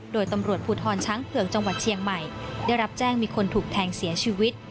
โดยตำรวจภูทรช้างเผือกจังหวัดเชียงใหม่ได้รับแจ้งมีคนถูกแทงเสียชีวิต